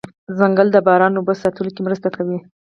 ځنګل د باران اوبو ساتلو کې مرسته کوي